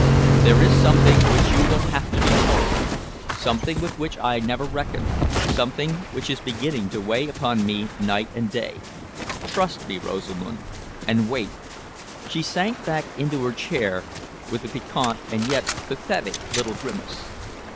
There is something which you will have to be told, something with which I never reckoned, something which is beginning to weigh upon me night and day. Trust me, Rosamund, and wait!" She sank back into her chair with a piquant and yet pathetic little grimace.